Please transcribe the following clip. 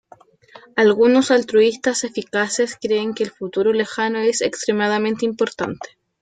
Algunos altruistas eficaces creen que el futuro lejano es extremadamente importante.